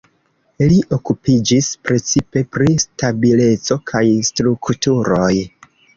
Li okupiĝis precipe pri stabileco kaj strukturoj.